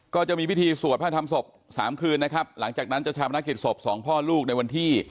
ก็จะมีพิธีสวดพระธรรมศพสามคืนนะครับหลังจากนั้นจะชาวพนักกิจศพสองพ่อลูกในวันที่